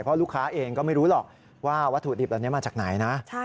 เพราะลูกค้าเองก็ไม่รู้หรอกว่าวัตถุดิบเหล่านี้มาจากไหนนะ